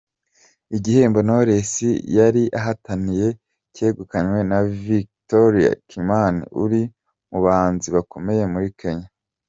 Igihembo Knowless yari ahataniye cyegukanywe na Victoria Kimani uri mu bahanzi bakomeye muri Kenya.